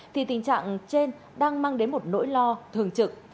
thì tình trạng trên đang mang đến một nỗi lo thường trực